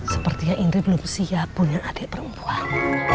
sepertinya indri belum siap punya adik perempuan